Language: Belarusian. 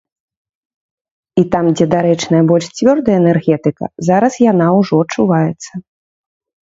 І там, дзе дарэчная больш цвёрдая энергетыка, зараз яна ўжо адчуваецца.